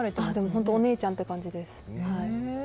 本当、お姉ちゃんって感じです。